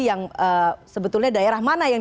yang sebetulnya daerah mana yang